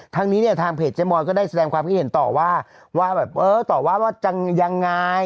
ทางนี้เนี่ยทางเพจเจ๊มอยก็ได้แสดงความคิดเห็นต่อว่าว่าแบบเออต่อว่าว่ายังไง